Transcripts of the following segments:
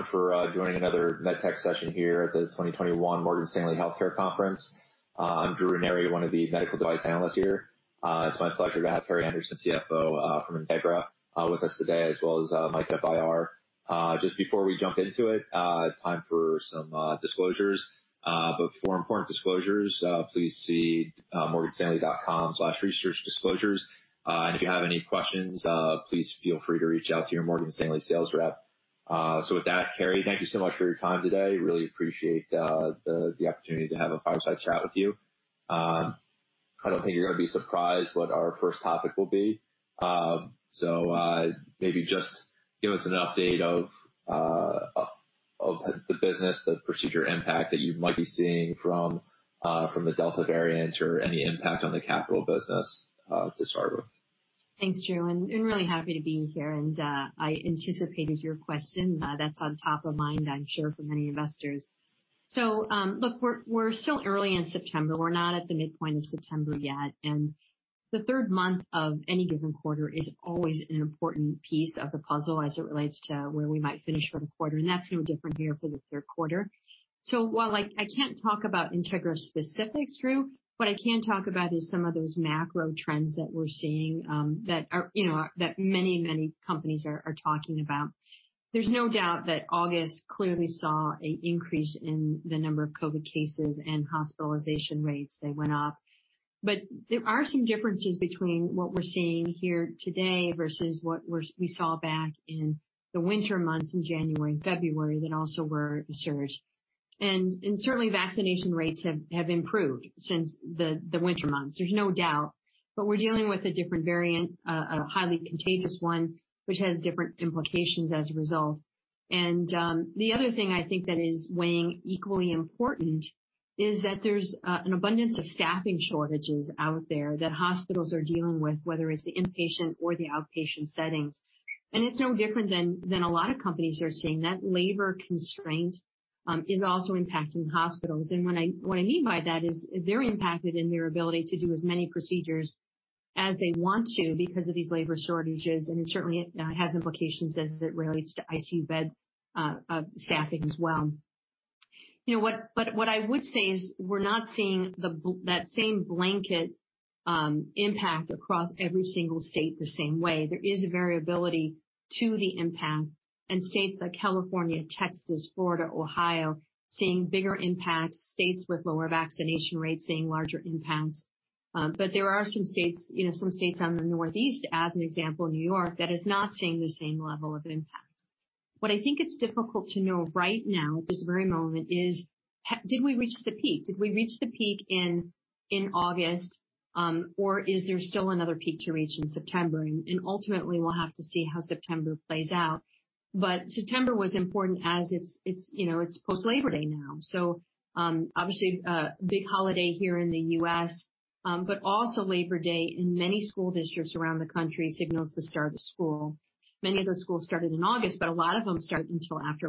Thanks for joining another MedTech session here at the 2021 Morgan Stanley Healthcare Conference. I'm Drew Ranieri, one of the medical device analysts here. It's my pleasure to have Carrie Anderson, CFO from Integra, with us today, as well as Mike, Head of IR. Just before we jump into it, time for some disclosures. But for important disclosures, please see morganstanley.com/researchdisclosures. And if you have any questions, please feel free to reach out to your Morgan Stanley sales rep. So with that, Carrie, thank you so much for your time today. Really appreciate the opportunity to have a fireside chat with you. I don't think you're going to be surprised what our first topic will be. So maybe just give us an update of the business, the procedure impact that you might be seeing from the Delta variant, or any impact on the capital business to start with. Thanks, Drew. I'm really happy to be here. And I anticipated your question. That's on top of mind, I'm sure, for many investors. So look, we're still early in September. We're not at the midpoint of September yet. And the third month of any given quarter is always an important piece of the puzzle as it relates to where we might finish for the quarter. And that's no different here for the third quarter. So while I can't talk about Integra specifics, Drew, what I can talk about is some of those macro trends that we're seeing that many, many companies are talking about. There's no doubt that August clearly saw an increase in the number of COVID cases and hospitalization rates. They went up. But there are some differences between what we're seeing here today versus what we saw back in the winter months in January and February that also were a surge. And certainly, vaccination rates have improved since the winter months. There's no doubt. But we're dealing with a different variant, a highly contagious one, which has different implications as a result. And the other thing I think that is weighing equally important is that there's an abundance of staffing shortages out there that hospitals are dealing with, whether it's the inpatient or the outpatient settings. And it's no different than a lot of companies are seeing. That labor constraint is also impacting hospitals. And what I mean by that is they're impacted in their ability to do as many procedures as they want to because of these labor shortages. It certainly has implications as it relates to ICU bed staffing as well. What I would say is we're not seeing that same blanket impact across every single state the same way. There is variability to the impact. States like California, Texas, Florida, Ohio are seeing bigger impacts, states with lower vaccination rates seeing larger impacts. There are some states, some states on the Northeast, as an example, New York, that are not seeing the same level of impact. What I think it's difficult to know right now at this very moment is, did we reach the peak? Did we reach the peak in August? Or is there still another peak to reach in September? Ultimately, we'll have to see how September plays out. September was important as it's post-Labor Day now. So obviously, a big holiday here in the U.S., but also Labor Day in many school districts around the country signals the start of school. Many of those schools started in August, but a lot of them started until after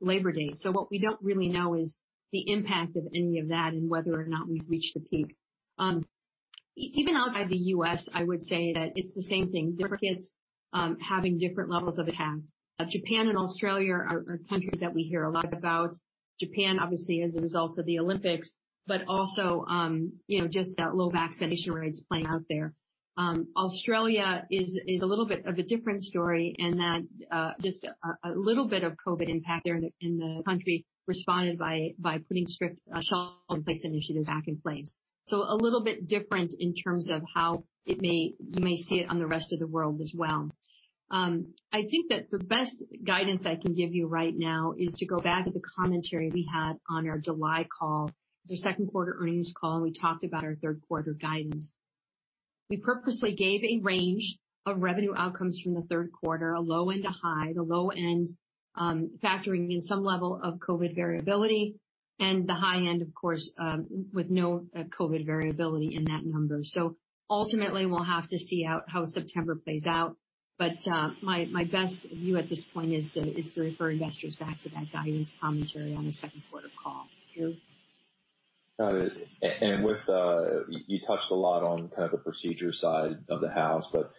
Labor Day. So what we don't really know is the impact of any of that and whether or not we've reached the peak. Even outside the U.S., I would say that it's the same thing. Different kids having different levels of impact. Japan and Australia are countries that we hear a lot about. Japan, obviously, as a result of the Olympics, but also just low vaccination rates playing out there. Australia is a little bit of a different story in that just a little bit of COVID impact there in the country responded by putting strict shelter-in-place initiatives back in place. A little bit different in terms of how you may see it on the rest of the world as well. I think that the best guidance I can give you right now is to go back to the commentary we had on our July call, the second quarter earnings call, and we talked about our third quarter guidance. We purposely gave a range of revenue outcomes from the third quarter, a low end to high, the low end factoring in some level of COVID variability, and the high end, of course, with no COVID variability in that number. Ultimately, we'll have to see how September plays out. But my best view at this point is to refer investors back to that guidance commentary on our second quarter call. Got it. And you touched a lot on kind of the procedure side of the house. But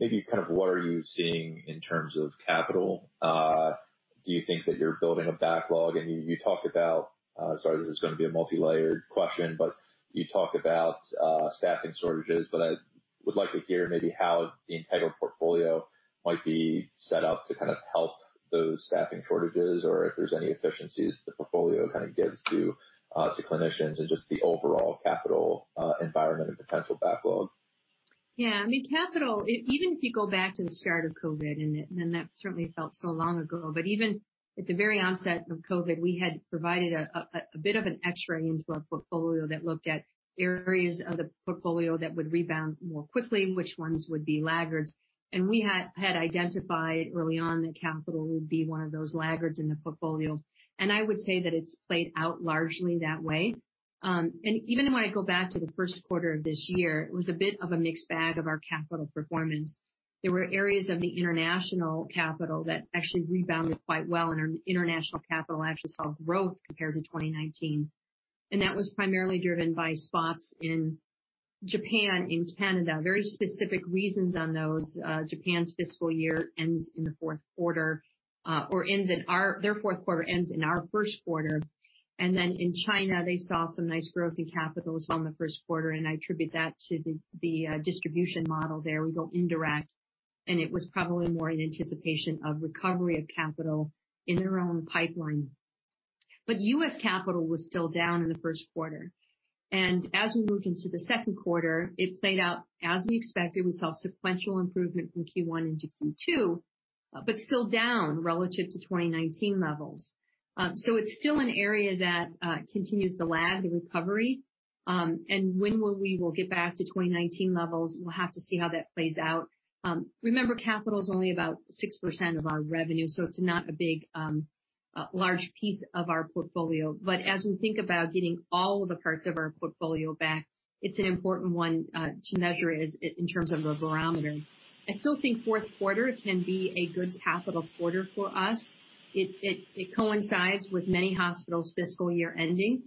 maybe kind of what are you seeing in terms of capital? Do you think that you're building a backlog? And you talked about, sorry, this is going to be a multilayered question, but you talked about staffing shortages. But I would like to hear maybe how the Integra portfolio might be set up to kind of help those staffing shortages or if there's any efficiencies the portfolio kind of gives to clinicians and just the overall capital environment and potential backlog. Yeah. I mean, capital, even if you go back to the start of COVID, and then that certainly felt so long ago, but even at the very onset of COVID, we had provided a bit of an X-ray into our portfolio that looked at areas of the portfolio that would rebound more quickly, which ones would be laggards. And we had identified early on that capital would be one of those laggards in the portfolio. And I would say that it's played out largely that way. And even when I go back to the first quarter of this year, it was a bit of a mixed bag of our capital performance. There were areas of the international capital that actually rebounded quite well, and our international capital actually saw growth compared to 2019. And that was primarily driven by spots in Japan and Canada, very specific reasons on those. Japan's fiscal year ends in the fourth quarter or their fourth quarter ends in our first quarter. Then in China, they saw some nice growth in capital as well in the first quarter. I attribute that to the distribution model there. We go indirect. It was probably more in anticipation of recovery of capital in their own pipeline. U.S. capital was still down in the first quarter. As we moved into the second quarter, it played out as we expected. We saw sequential improvement from Q1 into Q2, but still down relative to 2019 levels. It's still an area that continues the lag, the recovery. When we will get back to 2019 levels, we'll have to see how that plays out. Remember, capital is only about 6% of our revenue, so it's not a large piece of our portfolio. As we think about getting all of the parts of our portfolio back, it's an important one to measure in terms of a barometer. I still think fourth quarter can be a good capital quarter for us. It coincides with many hospitals' fiscal year ending.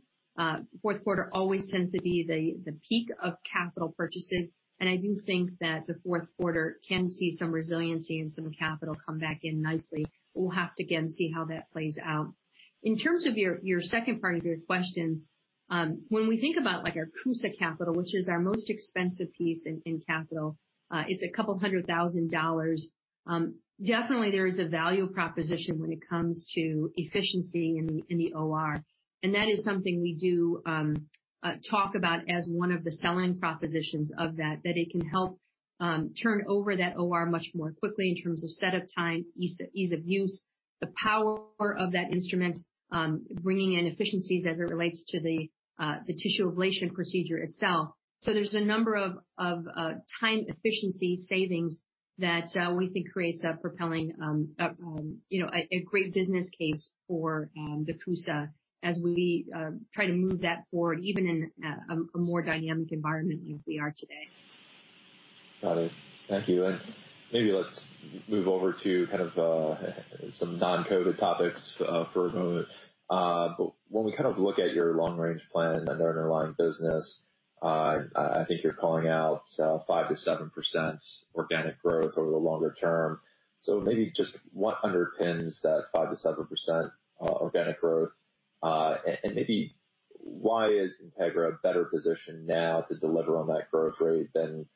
Fourth quarter always tends to be the peak of capital purchases. I do think that the fourth quarter can see some resiliency and some capital come back in nicely. We'll have to again see how that plays out. In terms of your second part of your question, when we think about our CUSA capital, which is our most expensive piece in capital, it's $200,000. Definitely, there is a value proposition when it comes to efficiency in the OR. That is something we do talk about as one of the selling propositions of that, that it can help turn over that OR much more quickly in terms of setup time, ease of use, the power of that instrument, bringing in efficiencies as it relates to the tissue ablation procedure itself. There's a number of time efficiency savings that we think creates a great business case for the CUSA as we try to move that forward even in a more dynamic environment like we are today. Got it. Thank you. And maybe let's move over to kind of some non-COVID topics for a moment. But when we kind of look at your long-range plan and the underlying business, I think you're calling out 5%-7% organic growth over the longer term. So maybe just what underpins that 5%-7% organic growth? And maybe why is Integra better positioned now to deliver on that growth rate than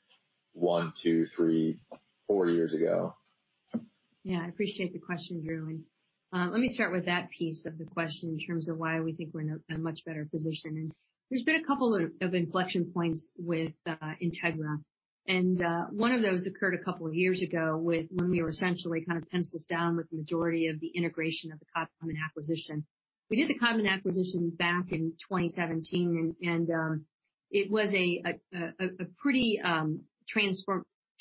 one, two, three, four years ago? Yeah. I appreciate the question, Drew. And let me start with that piece of the question in terms of why we think we're in a much better position. And there's been a couple of inflection points with Integra. And one of those occurred a couple of years ago when we were essentially kind of pencils down with the majority of the integration of the Codman acquisition. We did the Codman acquisition back in 2017. And it was a pretty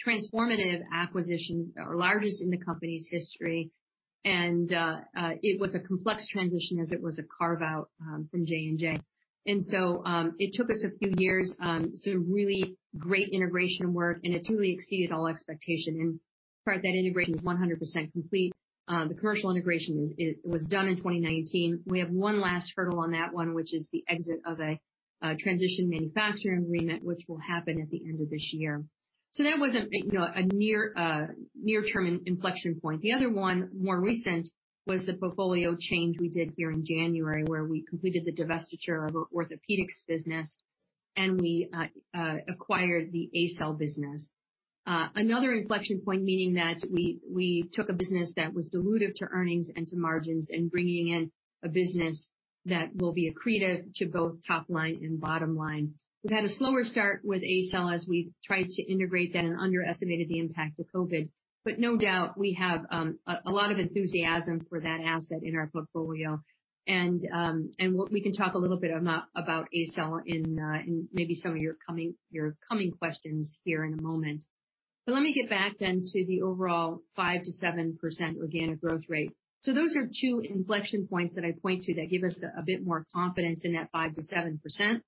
transformative acquisition, our largest in the company's history. And it was a complex transition as it was a carve-out from J&J. And so it took us a few years, some really great integration work. And it truly exceeded all expectations. And in part, that integration was 100% complete. The commercial integration was done in 2019. We have one last hurdle on that one, which is the exit of a transition manufacturing agreement, which will happen at the end of this year. So that was a near-term inflection point. The other one, more recent, was the portfolio change we did here in January where we completed the divestiture of our orthopedics business, and we acquired the ACell business. Another inflection point, meaning that we took a business that was diluted to earnings and to margins and bringing in a business that will be accretive to both top line and bottom line. We've had a slower start with ACell as we tried to integrate that and underestimated the impact of COVID. But no doubt, we have a lot of enthusiasm for that asset in our portfolio, and we can talk a little bit about ACell in maybe some of your coming questions here in a moment. But let me get back then to the overall 5%-7% organic growth rate. So those are two inflection points that I point to that give us a bit more confidence in that 5%-7%.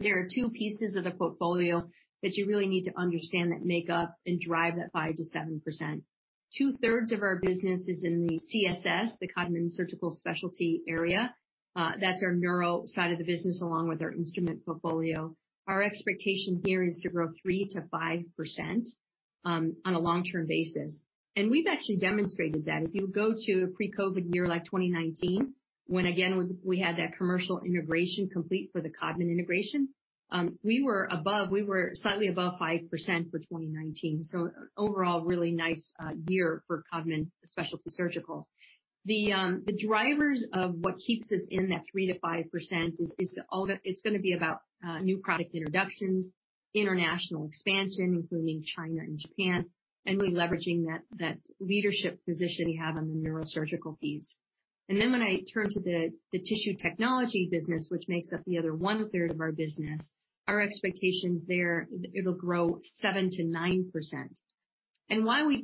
There are two pieces of the portfolio that you really need to understand that make up and drive that 5%-7%. Two-thirds of our business is in the CSS, the Codman Specialty Surgical area. That's our neuro side of the business along with our instrument portfolio. Our expectation here is to grow 3%-5% on a long-term basis. And we've actually demonstrated that. If you go to a pre-COVID year like 2019, when again we had that commercial integration complete for the Codman integration, we were slightly above 5% for 2019. So overall, really nice year for Codman Specialty Surgical. The drivers of what keeps us in that 3%-5% is it's going to be about new product introductions, international expansion, including China and Japan, and really leveraging that leadership position we have on the neurosurgical piece. And then when I turn to the Tissue Technologies business, which makes up the other one-third of our business, our expectations there, it'll grow 7%-9%. And why we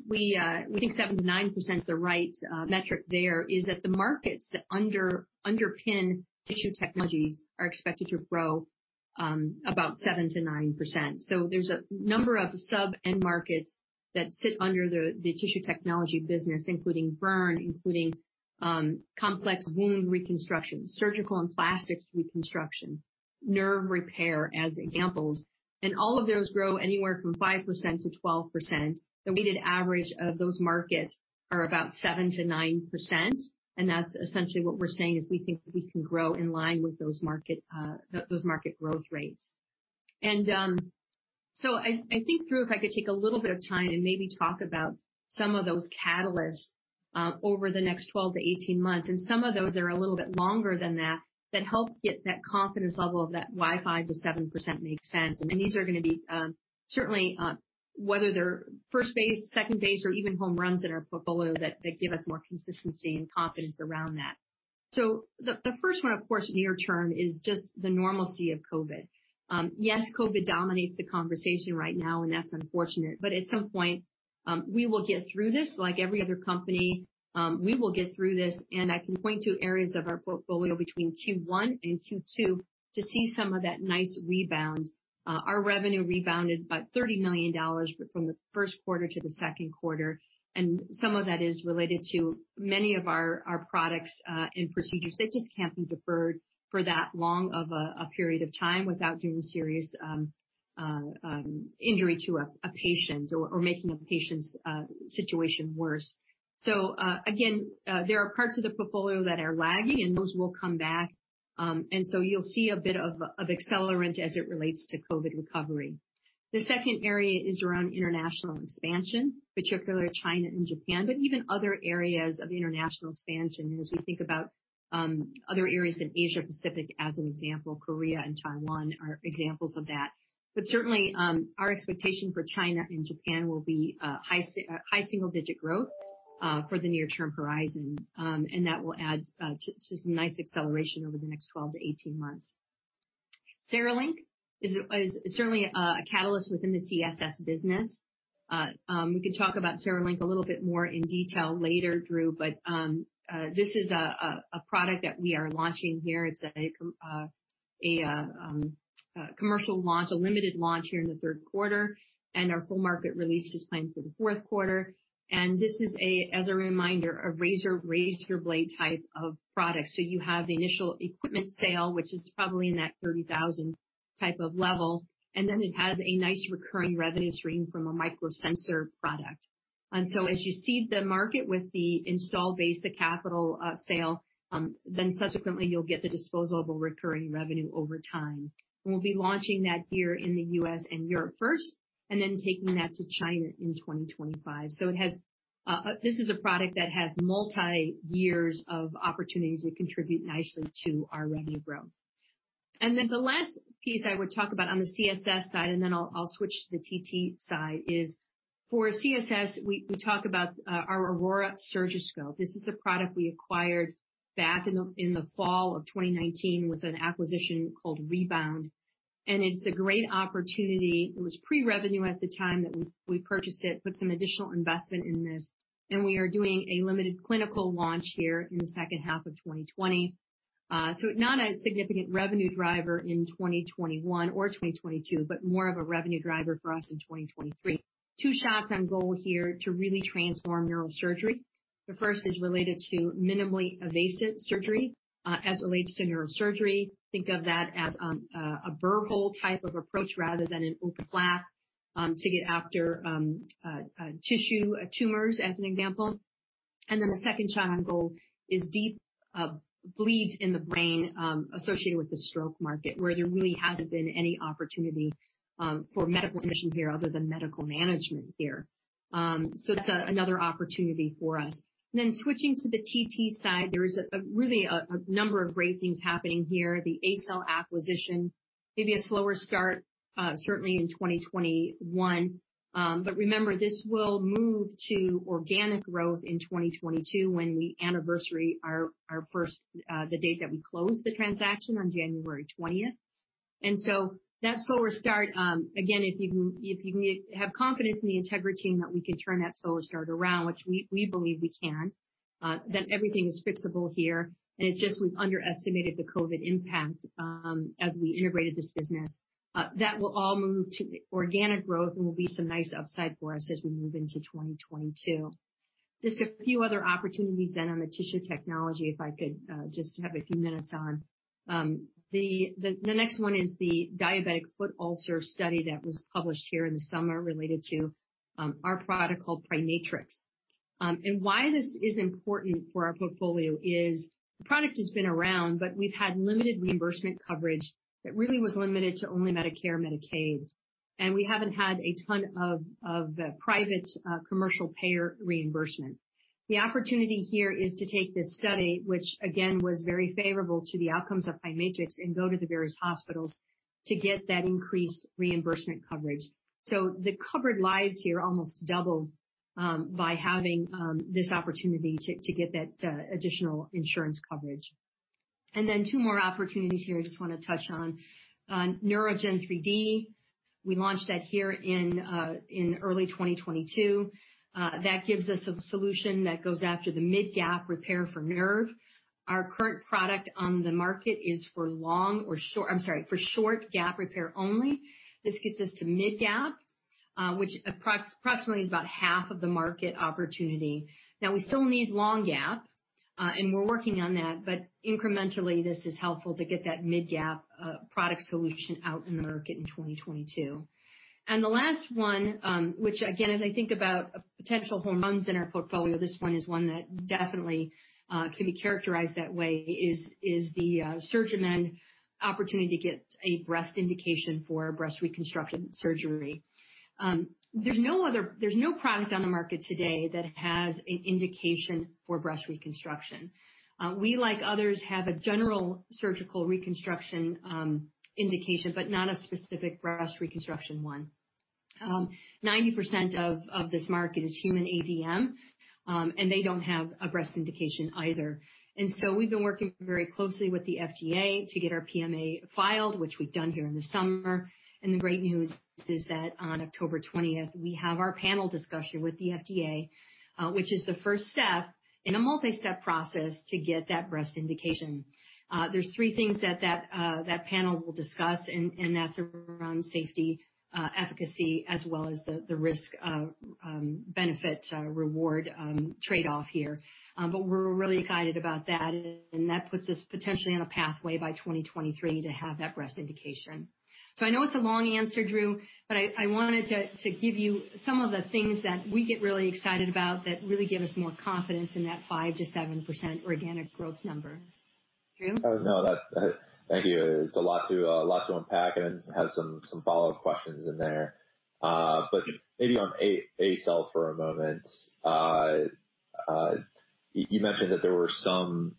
think 7%-9%, the right metric there is that the markets that underpin Tissue Technologies are expected to grow about 7%-9%. So there's a number of sub-end markets that sit under the Tissue Technologies business, including burns, including complex wound reconstruction, surgical and plastic reconstruction, nerve repair as examples. And all of those grow anywhere from 5%-12%. The weighted average of those markets is about 7%-9%. And that's essentially what we're saying is we think we can grow in line with those market growth rates. And so I think, Drew, if I could take a little bit of time and maybe talk about some of those catalysts over the next 12-18 months. And some of those are a little bit longer than that that help get that confidence level of that why 5%-7% makes sense. And these are going to be certainly whether they're first base, second base, or even home runs in our portfolio that give us more consistency and confidence around that. So the first one, of course, near-term is just the normalcy of COVID. Yes, COVID dominates the conversation right now, and that's unfortunate. But at some point, we will get through this like every other company. We will get through this. And I can point to areas of our portfolio between Q1 and Q2 to see some of that nice rebound. Our revenue rebounded by $30 million from the first quarter to the second quarter. And some of that is related to many of our products and procedures. They just can't be deferred for that long of a period of time without doing serious injury to a patient or making a patient's situation worse. So again, there are parts of the portfolio that are lagging, and those will come back. And so you'll see a bit of accelerant as it relates to COVID recovery. The second area is around international expansion, particularly China and Japan, but even other areas of international expansion. And as we think about other areas in Asia-Pacific, as an example, Korea and Taiwan are examples of that. But certainly, our expectation for China and Japan will be high single-digit growth for the near-term horizon. And that will add to some nice acceleration over the next 12-18 months. CereLink is certainly a catalyst within the CSS business. We can talk about CereLink a little bit more in detail later, Drew. But this is a product that we are launching here. It's a commercial launch, a limited launch here in the third quarter. And our full market release is planned for the fourth quarter. And this is, as a reminder, a razor-blade type of product. So you have the initial equipment sale, which is probably in that $30,000 type of level. And then it has a nice recurring revenue stream from a microsensor product. And so as you see the market with the installed base, the capital sale, then subsequently, you'll get the disposable recurring revenue over time. And we'll be launching that here in the U.S. and Europe first and then taking that to China in 2025. So this is a product that has multi-years of opportunity to contribute nicely to our revenue growth. And then the last piece I would talk about on the CSS side, and then I'll switch to the TT side, is for CSS, we talk about our Aurora Surgiscope. This is a product we acquired back in the fall of 2019 with an acquisition called Rebound. And it's a great opportunity. It was pre-revenue at the time that we purchased it, put some additional investment in this. And we are doing a limited clinical launch here in the second half of 2020. So not a significant revenue driver in 2021 or 2022, but more of a revenue driver for us in 2023. Two shots on goal here to really transform neurosurgery. The first is related to minimally invasive surgery as it relates to neurosurgery. Think of that as a burr hole type of approach rather than an open flap to get after tissue tumors as an example. And then the second shot on goal is deep bleeds in the brain associated with the stroke market where there really hasn't been any opportunity for medical intervention here other than medical management here. So that's another opportunity for us. And then switching to the TT side, there is really a number of great things happening here. The ACell acquisition, maybe a slower start, certainly in 2021. But remember, this will move to organic growth in 2022 when we anniversary our first, the date that we closed the transaction on January 20th. And so that slower start, again, if you have confidence in the integrity and that we can turn that slower start around, which we believe we can, then everything is fixable here. And it's just we've underestimated the COVID impact as we integrated this business. That will all move to organic growth and will be some nice upside for us as we move into 2022. Just a few other opportunities then on the Tissue Technology, if I could just have a few minutes on. The next one is the diabetic foot ulcer study that was published here in the summer related to our product called PriMatrix. Why this is important for our portfolio is the product has been around, but we've had limited reimbursement coverage that really was limited to only Medicare and Medicaid. We haven't had a ton of private commercial payer reimbursement. The opportunity here is to take this study, which again was very favorable to the outcomes of PriMatrix and go to the various hospitals to get that increased reimbursement coverage. The covered lives here almost doubled by having this opportunity to get that additional insurance coverage. Then two more opportunities here I just want to touch on. NeuraGen 3D, we launched that here in early 2022. That gives us a solution that goes after the mid-gap repair for nerve. Our current product on the market is for long or short, I'm sorry, for short-gap repair only. This gets us to mid-gap, which approximately is about half of the market opportunity. Now, we still need long-gap, and we're working on that. But incrementally, this is helpful to get that mid-gap product solution out in the market in 2022. And the last one, which again, as I think about potential home runs in our portfolio, this one is one that definitely can be characterized that way, is the SurgiMend opportunity to get a breast indication for breast reconstruction surgery. There's no product on the market today that has an indication for breast reconstruction. We, like others, have a general surgical reconstruction indication, but not a specific breast reconstruction one. 90% of this market is human ADM, and they don't have a breast indication either. And so we've been working very closely with the FDA to get our PMA filed, which we've done here in the summer. And the great news is that on October 20th, we have our panel discussion with the FDA, which is the first step in a multi-step process to get that breast indication. There's three things that that panel will discuss, and that's around safety, efficacy, as well as the risk-benefit-reward trade-off here. But we're really excited about that. And that puts us potentially on a pathway by 2023 to have that breast indication. So I know it's a long answer, Drew, but I wanted to give you some of the things that we get really excited about that really give us more confidence in that 5%-7% organic growth number. Drew? No, thank you. It's a lot to unpack and have some follow-up questions in there. But maybe on ACell for a moment, you mentioned that there were some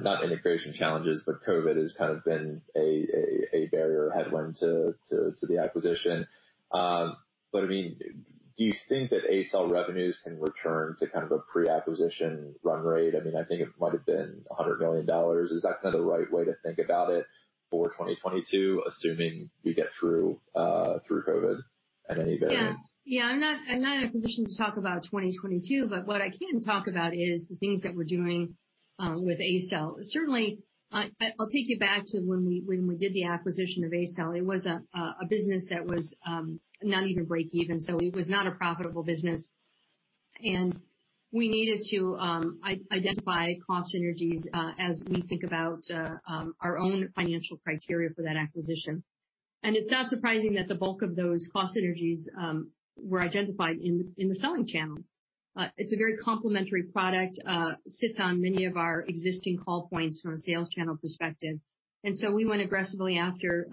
not integration challenges, but COVID has kind of been a barrier headwind to the acquisition. But I mean, do you think that ACell revenues can return to kind of a pre-acquisition run rate? I mean, I think it might have been $100 million. Is that kind of the right way to think about it for 2022, assuming we get through COVID at any event? Yeah. Yeah, I'm not in a position to talk about 2022, but what I can talk about is the things that we're doing with ACell. Certainly, I'll take you back to when we did the acquisition of ACell. It was a business that was not even break-even. So it was not a profitable business. And we needed to identify cost synergies as we think about our own financial criteria for that acquisition. It's not surprising that the bulk of those cost synergies were identified in the selling channel. It's a very complementary product, sits on many of our existing call points from a sales channel perspective. And so we went aggressively after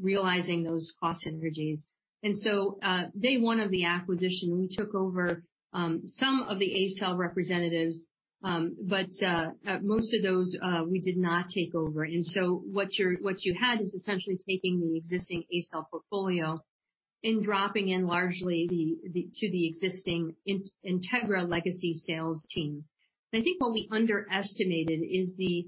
realizing those cost synergies. And so day one of the acquisition, we took over some of the ACell representatives, but most of those we did not take over. And so what you had is essentially taking the existing ACell portfolio and dropping in largely to the existing Integra legacy sales team. And I think what we underestimated is the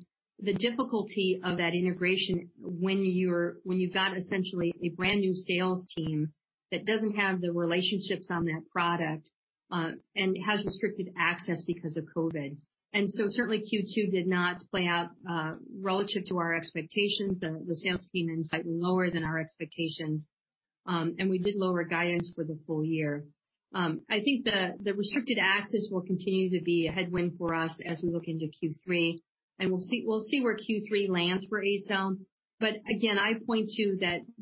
difficulty of that integration when you've got essentially a brand new sales team that doesn't have the relationships on that product and has restricted access because of COVID. And so certainly, Q2 did not play out relative to our expectations. The sales team is slightly lower than our expectations. We did lower guidance for the full year. I think the restricted access will continue to be a headwind for us as we look into Q3. We'll see where Q3 lands for ACell. Again, I point to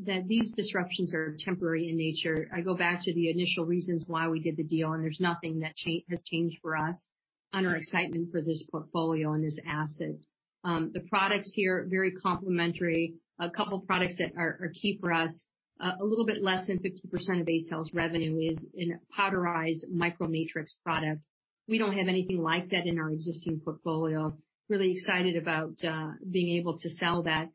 that these disruptions are temporary in nature. I go back to the initial reasons why we did the deal, and there's nothing that has changed for us on our excitement for this portfolio and this asset. The products here are very complementary. A couple of products that are key for us, a little bit less than 50% of ACell's revenue is in a powderized MicroMatrix product. We don't have anything like that in our existing portfolio. Really excited about being able to sell that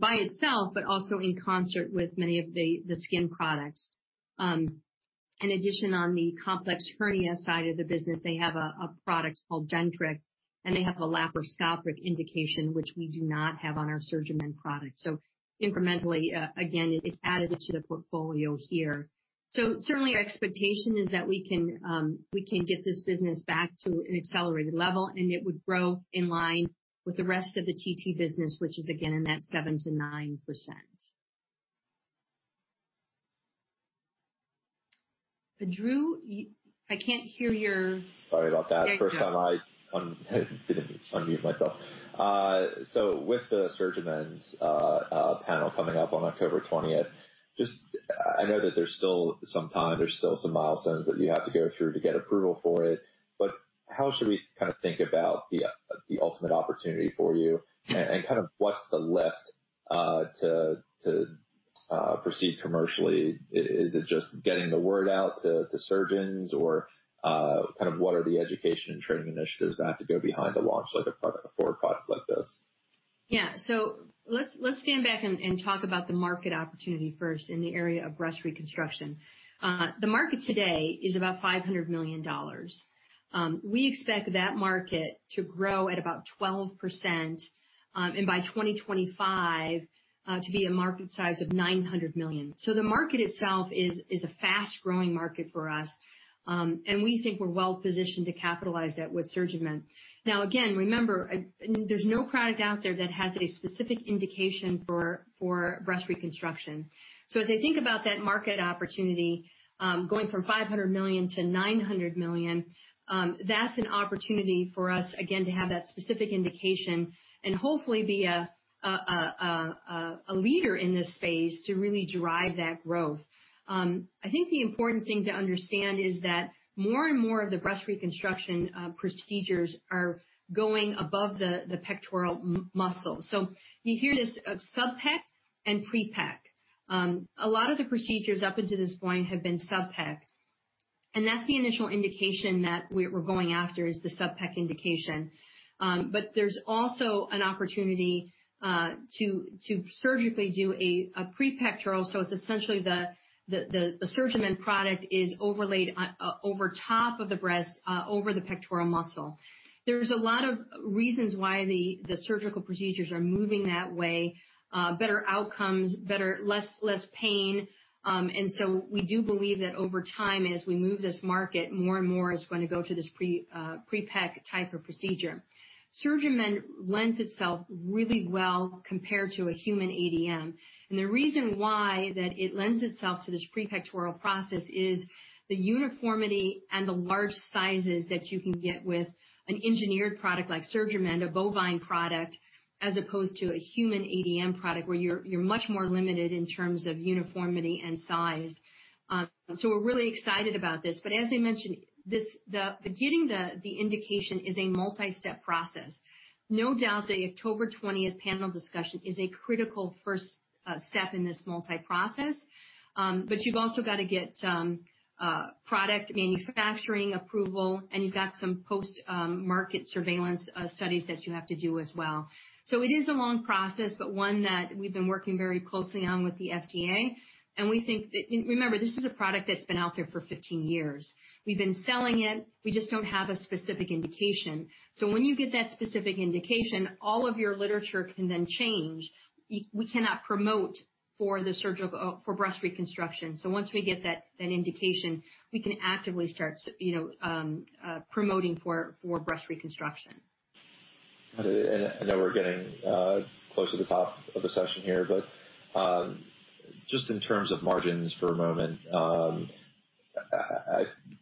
by itself, but also in concert with many of the skin products. In addition, on the complex hernia side of the business, they have a product called Gentrix, and they have a laparoscopic indication, which we do not have on our SurgiMend product. So incrementally, again, it's added to the portfolio here. So certainly, our expectation is that we can get this business back to an accelerated level, and it would grow in line with the rest of the TT business, which is again in that 7%-9%. Drew, I can't hear your. Sorry about that. First time, I didn't unmute myself. So with the SurgiMend panel coming up on October 20th, just I know that there's still some time, there's still some milestones that you have to go through to get approval for it. But how should we kind of think about the ultimate opportunity for you and kind of what's the lift to proceed commercially? Is it just getting the word out to surgeons, or kind of what are the education and training initiatives that have to go behind to launch a forward product like this? Yeah. So let's stand back and talk about the market opportunity first in the area of breast reconstruction. The market today is about $500 million. We expect that market to grow at about 12% and by 2025 to be a market size of $900 million. So the market itself is a fast-growing market for us, and we think we're well-positioned to capitalize that with SurgiMend. Now, again, remember, there's no product out there that has a specific indication for breast reconstruction. So as I think about that market opportunity, going from $500 million to $900 million, that's an opportunity for us, again, to have that specific indication and hopefully be a leader in this space to really drive that growth. I think the important thing to understand is that more and more of the breast reconstruction procedures are going above the pectoral muscle. So you hear this of subpec and prepec. A lot of the procedures up until this point have been subpec. And that's the initial indication that we're going after is the subpec indication. But there's also an opportunity to surgically do a prepectoral. So it's essentially the SurgiMend product is overlaid over top of the breast, over the pectoral muscle. There's a lot of reasons why the surgical procedures are moving that way: better outcomes, less pain. And so we do believe that over time, as we move this market, more and more is going to go to this prepec type of procedure. SurgiMend lends itself really well compared to a human ADM. And the reason why that it lends itself to this prepectoral process is the uniformity and the large sizes that you can get with an engineered product like SurgiMend, a bovine product, as opposed to a human ADM product where you're much more limited in terms of uniformity and size. So we're really excited about this. But as I mentioned, getting the indication is a multi-step process. No doubt the October 20th panel discussion is a critical first step in this multi-process. But you've also got to get product manufacturing approval, and you've got some post-market surveillance studies that you have to do as well. So it is a long process, but one that we've been working very closely on with the FDA. And we think that, remember, this is a product that's been out there for 15 years. We've been selling it. We just don't have a specific indication. So when you get that specific indication, all of your literature can then change. We cannot promote for breast reconstruction. So once we get that indication, we can actively start promoting for breast reconstruction. Got it. And I know we're getting close to the top of the session here, but just in terms of margins for a moment,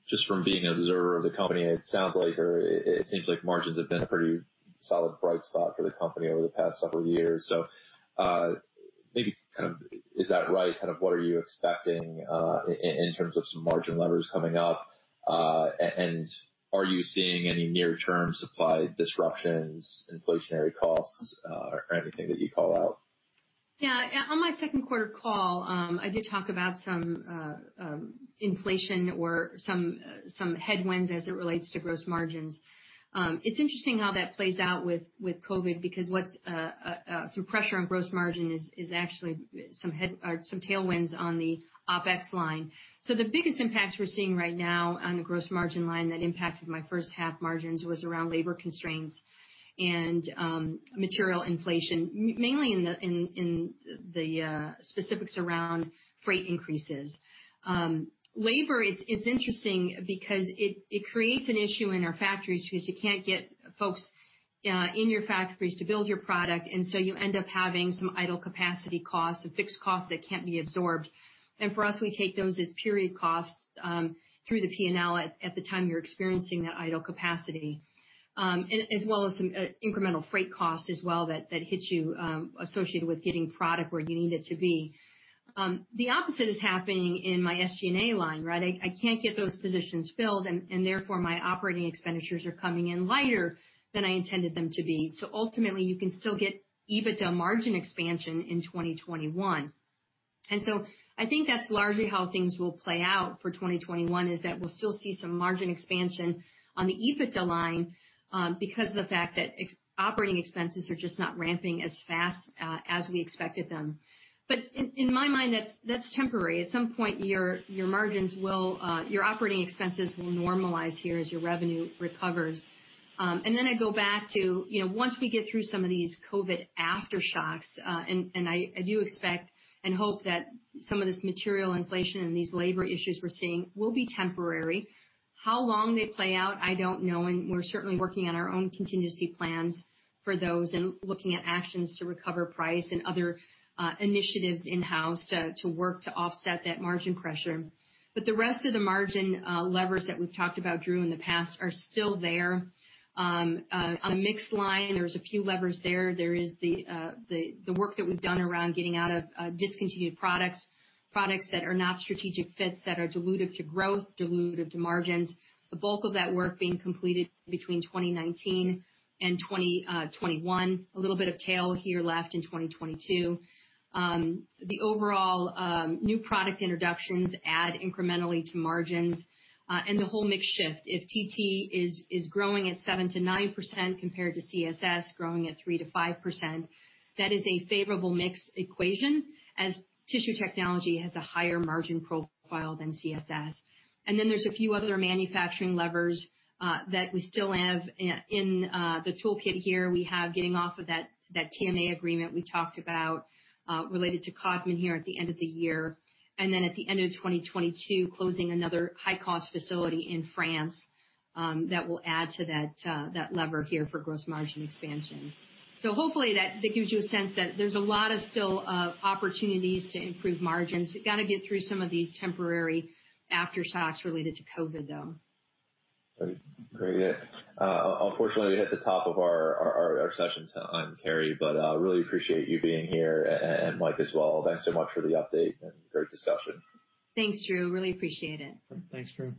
just from being an observer of the company, it sounds like or it seems like margins have been a pretty solid bright spot for the company over the past several years. So maybe kind of is that right? Kind of what are you expecting in terms of some margin levers coming up? And are you seeing any near-term supply disruptions, inflationary costs, or anything that you call out? Yeah. On my second quarter call, I did talk about some inflation or some headwinds as it relates to gross margins. It's interesting how that plays out with COVID because some pressure on gross margin is actually some tailwinds on the OPEX line. So the biggest impacts we're seeing right now on the gross margin line that impacted my first-half margins was around labor constraints and material inflation, mainly in the specifics around freight increases. Labor, it's interesting because it creates an issue in our factories because you can't get folks in your factories to build your product. And so you end up having some idle capacity costs, some fixed costs that can't be absorbed. And for us, we take those as period costs through the P&L at the time you're experiencing that idle capacity, as well as some incremental freight costs as well that hit you associated with getting product where you need it to be. The opposite is happening in my SG&A line, right? I can't get those positions filled, and therefore my operating expenditures are coming in lighter than I intended them to be. So ultimately, you can still get EBITDA margin expansion in 2021. And so I think that's largely how things will play out for 2021, is that we'll still see some margin expansion on the EBITDA line because of the fact that operating expenses are just not ramping as fast as we expected them. But in my mind, that's temporary. At some point, your operating expenses will normalize here as your revenue recovers. And then I go back to once we get through some of these COVID aftershocks, and I do expect and hope that some of this material inflation and these labor issues we're seeing will be temporary. How long they play out, I don't know. And we're certainly working on our own contingency plans for those and looking at actions to recover price and other initiatives in-house to work to offset that margin pressure. But the rest of the margin levers that we've talked about, Drew, in the past are still there. On the mixed line, there's a few levers there. There is the work that we've done around getting out of discontinued products, products that are not strategic fits that are dilutive to growth, dilutive to margins. The bulk of that work being completed between 2019 and 2021, a little bit of tail here left in 2022. The overall new product introductions add incrementally to margins and the whole mix shift. If TT is growing at 7%-9% compared to CSS growing at 3%-5%, that is a favorable mix equation as tissue technology has a higher margin profile than CSS, and then there's a few other manufacturing levers that we still have in the toolkit here. We have getting off of that TMA agreement we talked about related to Codman here at the end of the year, and then at the end of 2022, closing another high-cost facility in France that will add to that lever here for gross margin expansion, so hopefully, that gives you a sense that there's a lot of still opportunities to improve margins. You got to get through some of these temporary aftershocks related to COVID, though. Great. Unfortunately, we hit the top of our session time, Carrie, but really appreciate you being here and Mike as well. Thanks so much for the update and great discussion. Thanks, Drew. Really appreciate it. Thanks, Drew.